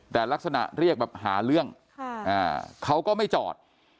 แต่ลักษณะเรียกแบบหาเรื่องเขาก็ไม่จอด